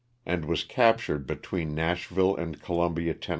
315 and was captured between Nashville and Columbia, Tenn.